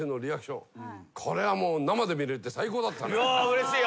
うれしい。